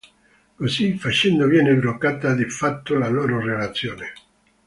Così facendo viene bloccata di fatto la loro relazione.